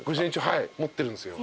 はい持ってるんすよ。